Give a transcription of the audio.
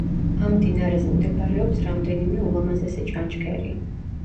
ამ მდინარეზე მდებარეობს რამდენიმე ულამაზესი ჩანჩქერი.